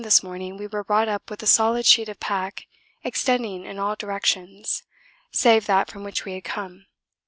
this morning we were brought up with a solid sheet of pack extending in all directions, save that from which we had come.